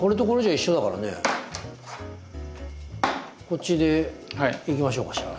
こっちでいきましょうかしら。